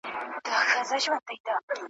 له خوښيه ابليس وكړله چيغاره ,